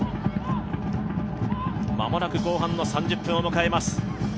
間もなく後半の３０分を迎えます。